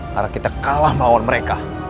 karena kita kalah mauan mereka